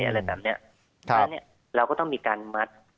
เพราะฉะนั้นเราก็ต้องมีการมัด